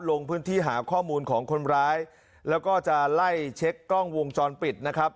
ลงพื้นที่หาข้อมูลของคนร้ายแล้วก็จะไล่เช็คกล้องวงจรปิดนะครับ